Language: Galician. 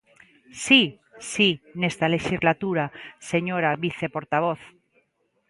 Si, si, nesta lexislatura, señora viceportavoz.